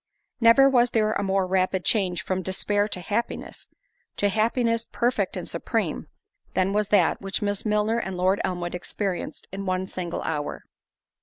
Never was there a more rapid change from despair to happiness—to happiness perfect and supreme—than was that, which Miss Milner and Lord Elmwood experienced in one single hour.